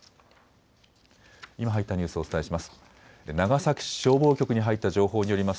今入ったニュースをお伝えします。